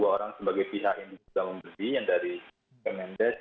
dua orang sebagai pihak induk jalur merdeka yang dari kemendes